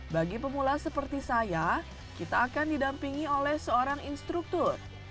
bagi pemula seperti saya kita akan didampingi oleh seorang instruktur